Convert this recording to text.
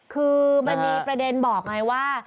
คือมันมีประเด็นบอกไงว่า